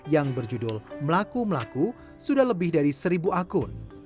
yang berjudul melaku melaku sudah lebih dari seribu akun